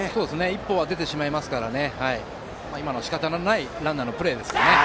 一歩は出てしまいますから今のは、しかたがないランナーのプレーですね。